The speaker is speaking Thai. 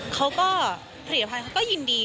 เขาก็ผลิตภัณฑ์เขาก็ยินดี